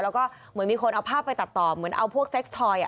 แล้วก็เหมือนมีคนเอาภาพไปตัดต่อเหมือนเอาพวกเซ็กซอย